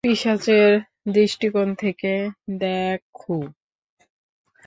পিশাচের দৃষ্টিকোণ থেকে দ্যাখো।